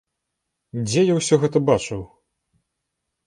Дзе я ўсё гэта бачыў?